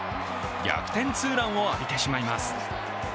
逆転ツーランを浴びてしまいます。